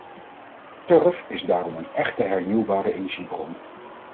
Turf is daarom een echte hernieuwbare energiebron.